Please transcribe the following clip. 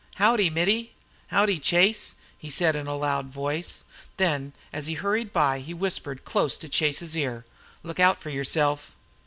"Howdy, Mittie; howdy, Chase," he said, in a loud voice. Then as he hurried by he whispered close to Chase's ear, "Look out for yourself!"